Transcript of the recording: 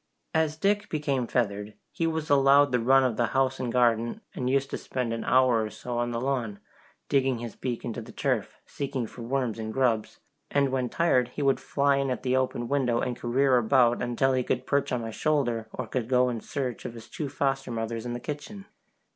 As Dick became feathered, he was allowed the run of the house and garden, and used to spend an hour or so on the lawn, digging his beak into the turf, seeking for worms and grubs, and when tired he would fly in at the open window and career about until he could perch on my shoulder, or go in search of his two foster mothers in the kitchen.